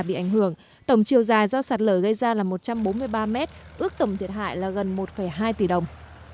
bị ảnh hưởng tổng chiều dài do sạt lở gây ra là một trăm bốn mươi ba mét ước tổng thiệt hại là gần một hai tỷ đồng